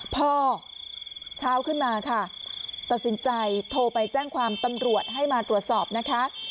พอเช้าขึ้นมาค่ะตัดสินใจโทรไปแจ้งความตำรวจให้มาตรวจสอบนะคะ